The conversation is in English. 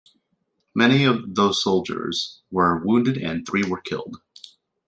Many of those soldiers were wounded and three were killed.